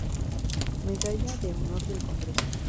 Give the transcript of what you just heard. Medalla de Honor del Congreso